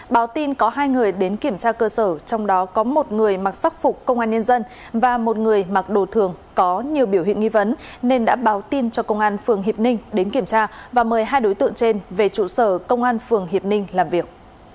báo tin có hai người đến kiểm tra cơ sở trong đó có một người mặc sắc phục công an nhân dân và một người mặc đồ thường có nhiều biểu hiện nghi vấn nên đã báo tin cho công an phường hiệp ninh đến kiểm tra và mời hai đối tượng trên về trụ sở công an phường hiệp ninh làm việc